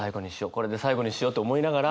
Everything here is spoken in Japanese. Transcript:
これで最後にしようって思いながら。